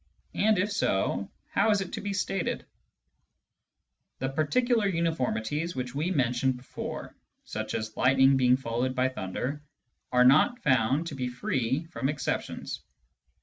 And if so, how is it to be stated ? The particular unif orniities which we mentioned before, such as lightning being followed by thunder, are not found to be free from exceptions.